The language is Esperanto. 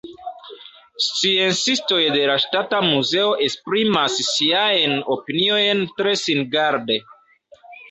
Sciencistoj de la Ŝtata Muzeo esprimas siajn opiniojn tre singarde.